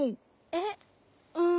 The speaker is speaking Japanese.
えっうん。